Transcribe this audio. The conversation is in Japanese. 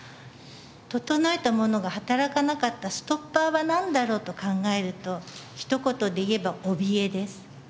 整えたものが働かなかったストッパーはなんだろう？と考えるとひと言で言えばおびえです。